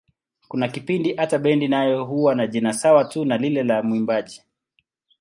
Kuna kipindi hata bendi nayo huwa na jina sawa tu na lile la mwimbaji.